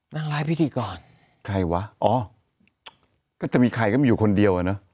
นางร้ายพิธีกรใครวะอ๋อก็จะมีใครก็มีอยู่คนเดียวอ่ะเนอะ